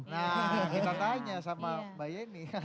nah kita tanya sama mbak yeni